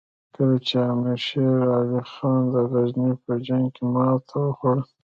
کله چې امیر شېر علي خان د غزني په جنګ کې ماته وخوړه.